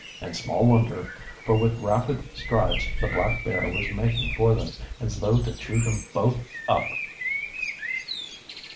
And small wonder, for with rapid strides the black bear was making for them, as though to chew them both up!